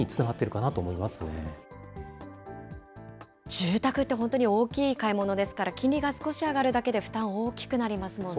住宅って本当に大きい買い物ですから、金利が少し上がるだけで負担大きくなりますよね。